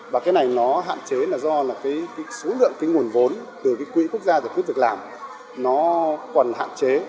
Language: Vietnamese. và cái này nó hạn chế là do là cái số lượng cái nguồn vốn từ cái quỹ quốc gia giải quyết việc làm nó còn hạn chế